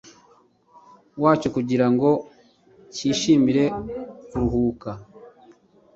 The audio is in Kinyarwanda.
wacyo kugira ngo cyishimire kuruhuka